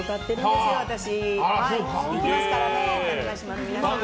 行きますからね、お願いします。